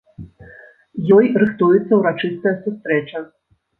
Ёй рыхтуецца ўрачыстая сустрэча.